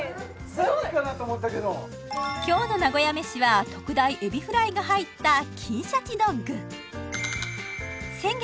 何かなと思ったけど今日の名古屋めしは特大エビフライが入った金シャチドッグ先月